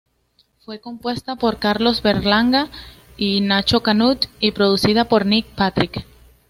Fue compuesta por Carlos Berlanga y Nacho Canut, y producida por Nick Patrick.